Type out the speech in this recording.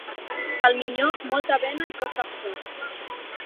Al minyó, molta bena i poc capçó.